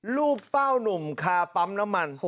เป้านุ่มคาปั๊มน้ำมัน